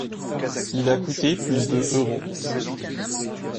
Il a coûté plus de €.